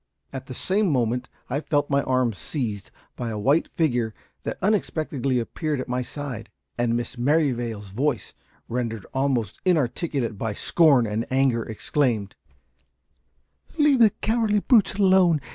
At the same moment I felt my arm seized by a white figure that unexpectedly appeared at my side, and Miss Merrivale's voice, rendered almost inarticulate by scorn and anger, exclaimed "Leave the cowardly brutes alone.